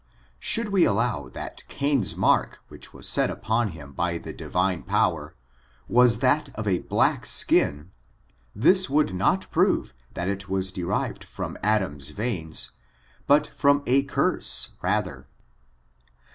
Should we allow that Cain^s mark which was set upon him by the Divine power, was that of a black skin, this would not prove that it was derived from Adam's veins, but from a ctirse rather.